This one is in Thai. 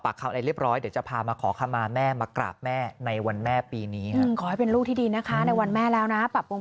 พอจะหาว่าไม่เห็นคุณฟัน